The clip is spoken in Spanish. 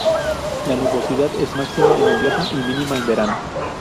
La nubosidad es máxima en invierno y mínima en verano.